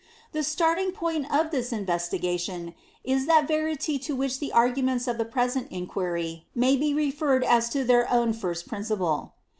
The starting point of this inves tigation is that verity to which the arguments of the present inquiry may be referred as to their own first principle/ 2.